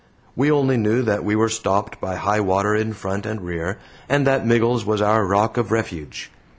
We only knew that we were stopped by high water in front and rear, and that Miggles was our rock of refuge.